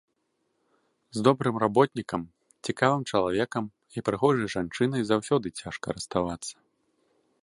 З добрым работнікам, цікавым чалавекам і прыгожай жанчынай заўсёды цяжка расставацца.